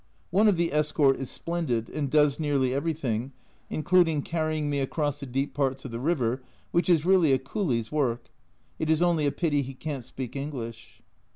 One of the escort is splendid, and does nearly everything, including carrying me across the deep parts of the river, which is really a coolie's work. It is only a pity he can't speak English.